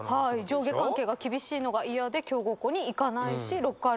「上下関係が厳しいのが嫌で強豪校に行かないしロッカールームの隅で」